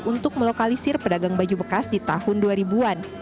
untuk melokalisir pedagang baju bekas di tahun dua ribu an